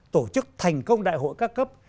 tổ chức thành công đại hội ca cấp